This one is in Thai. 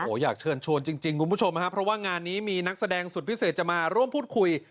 โอ้โหอยากเชิญชวนจริงคุณผู้ชมฮะเพราะว่างานนี้มีนักแสดงสุดพิเศษจะมาร่วมพูดคุย